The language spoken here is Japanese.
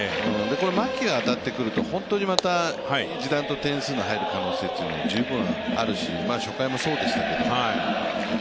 牧が当たってくると、本当にまた一段と点数が入る可能性が十分あるし初回もそうでしたけれども。